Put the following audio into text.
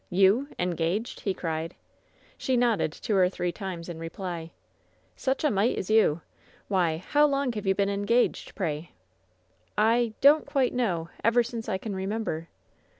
"You! Engaged?" he cried. She nodded two or three times in reply. "Such a mite as you 1 Why, how long have you been engaged, pray?" "I — don't quite know. Ever since I can remember."